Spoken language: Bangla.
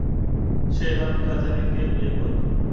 সে এবার পুজা চেরিকে বিয়ে করবে!